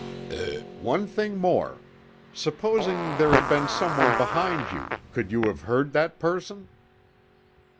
"One thing more. Supposing there had been someone behind you, could you have heard that person?"